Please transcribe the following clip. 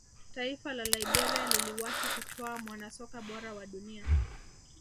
taifa la liberia liliwahi kutoa mwanasoka bora wa dunia